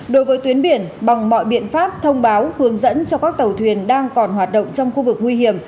đối với tuyến biển bằng mọi biện pháp thông báo hướng dẫn cho các tàu thuyền đang còn hoạt động trong khu vực nguy hiểm